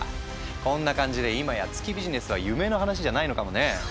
こんな感じでいまや月ビジネスは夢の話じゃないのかもね。